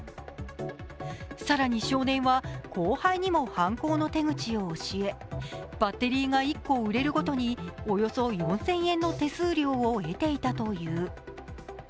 更に少年は後輩にも犯行の手口を教えバッテリーが１個売れるごとにおよそ４０００円の手数料を得ていたという。